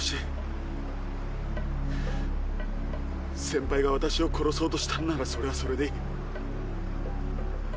先輩が私を殺そうとしたんならそれはそれでいい。